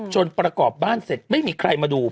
ประกอบบ้านเสร็จไม่มีใครมาดู